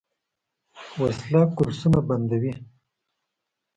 وسله کورسونه بندوي